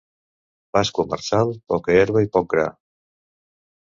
Pasqua marçal, poca herba i poc gra.